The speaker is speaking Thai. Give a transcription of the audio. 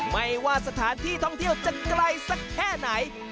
ไม่ว่าสถานที่ท่องเที่ยวจะไกลสักแค่ไหน